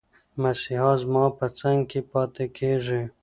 مسیحا زما په څنګ کې پاتې کېږي.